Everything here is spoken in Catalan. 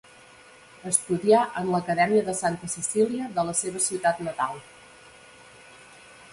Estudià en l'Acadèmia de Santa Cecília de la seva ciutat natal.